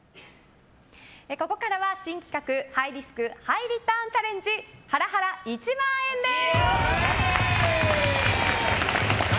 ここからは新企画ハイリスクハイリターンチャレンジハラハラ１万円です。